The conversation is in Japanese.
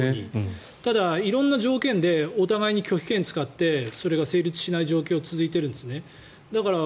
ただ、色んな条件でお互いに拒否権を使ってそれが成立しない状況が続いている。